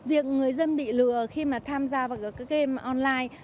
việc người dân bị lừa khi mà tham gia vào các game online